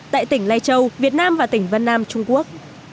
tại tỉnh lai châu việt nam và tỉnh vân nam trung quốc